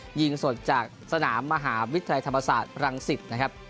ยิงสดจากสนามมหาวิทยาลัยธรรมศาสตร์รังสิตนะครับ